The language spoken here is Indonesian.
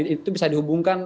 itu bisa dihubungkan